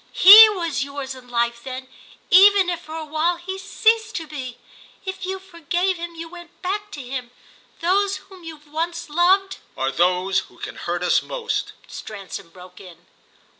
"_He _was yours in life then, even if for a while he ceased to be. If you forgave him you went back to him. Those whom we've once loved—" "Are those who can hurt us most," Stransom broke in.